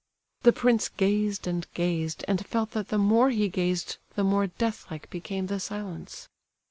The prince gazed and gazed, and felt that the more he gazed the more death like became the silence.